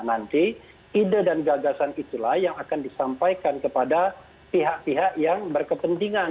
nanti ide dan gagasan itulah yang akan disampaikan kepada pihak pihak yang berkepentingan